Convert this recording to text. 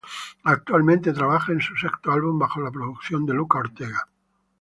Actualmente trabaja en su sexto álbum bajo la producción de Luca Ortega.